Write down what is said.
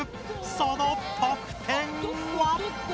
その得点は？